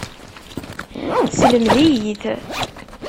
Teslemed-iyi-t.